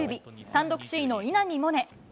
単独首位の稲見萌寧。